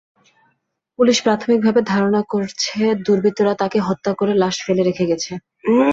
Police প্রাথমিকভাবে ধারণা করছে, দুর্বৃত্তরা তাঁকে হত্যা করে লাশ ফেলে রেখে গেছে।